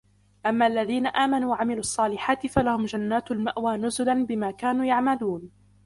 أَمَّا الَّذِينَ آمَنُوا وَعَمِلُوا الصَّالِحَاتِ فَلَهُمْ جَنَّاتُ الْمَأْوَى نُزُلًا بِمَا كَانُوا يَعْمَلُونَ